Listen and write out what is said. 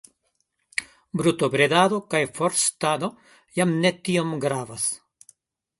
Brutobredado kaj forstado jam ne tiom gravas.